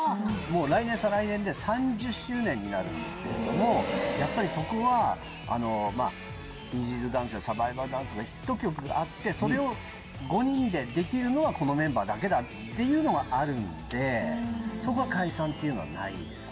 来年再来年で３０周年になるんですけれどもやっぱりそこは『ＥＺＤＯＤＡＮＣＥ』や『ｓｕｒｖｉｖａｌｄＡｎｃｅ』のヒット曲があってそれを５人でできるのはこのメンバーだけだっていうのがあるんでそこは解散っていうのはないですね。